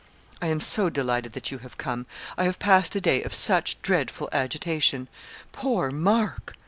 'I am so delighted that you have come. I have passed a day of such dreadful agitation. Poor Mark!'